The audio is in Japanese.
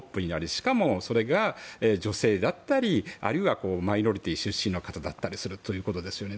しかもそれが女性だったりあるいはマイノリティー出身の方だったりするということですよね。